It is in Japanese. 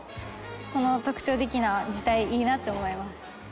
この特徴的な字体いいなって思います。